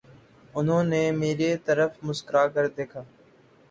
انہوں نے میرے طرف مسکرا کر دیکھا